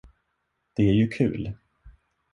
Det är ju kul.